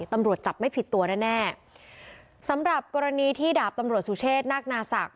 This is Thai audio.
ตำรวจจับไม่ผิดตัวแน่แน่สำหรับกรณีที่ดาบตำรวจสุเชษนาคนาศักดิ